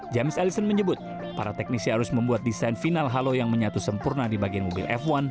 james allison menyebut para teknisi harus membuat desain final halo yang menyatu sempurna di bagian mobil f satu